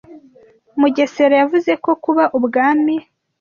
Mugesera yavuze ko kuba ubwami